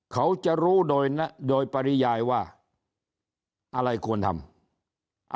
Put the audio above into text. เขาจะรู้โดยปริยายว่าอะไรควรทำ